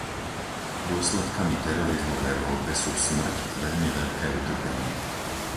Dôsledkami terorizmu v Európe sú smrť a veľmi veľké utrpenie.